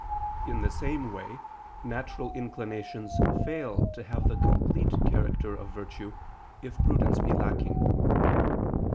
In the same way, natural inclinations fail to have the complete character of virtue, if prudence be lacking.